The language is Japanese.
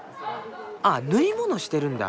あっ縫い物してるんだ。